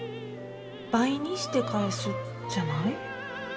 「倍」にして返すじゃない？